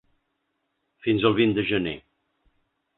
Fins al vint de gener.